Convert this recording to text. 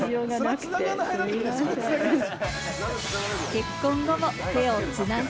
結婚後も手をつなぐ？